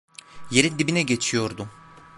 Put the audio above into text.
Yerin dibine geçiyordum.